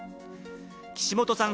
岸本さん